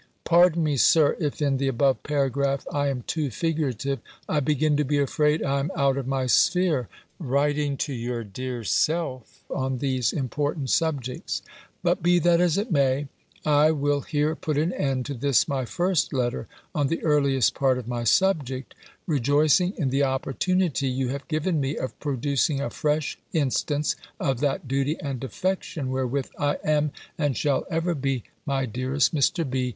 Pardon me, Sir, if in the above paragraph I am too figurative. I begin to be afraid I am out of my sphere, writing to your dear self, on these important subjects. But be that as it may, I will here put an end to this my first letter (on the earliest part of my subject), rejoicing in the opportunity you have given me of producing a fresh instance of that duty and affection, wherewith I am, and shall ever be, my dearest Mr. B.